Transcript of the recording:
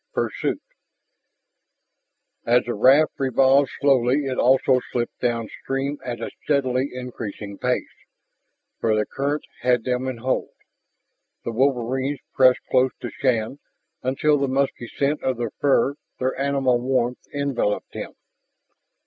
PURSUIT As the raft revolved slowly it also slipped downstream at a steadily increasing pace, for the current had them in hold. The wolverines pressed close to Shann until the musky scent of their fur, their animal warmth, enveloped him.